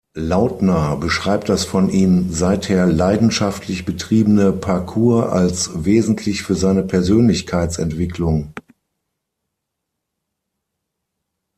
Lautner beschreibt das von ihm seither leidenschaftlich betriebene Parcours als wesentlich für seine Persönlichkeitsentwicklung.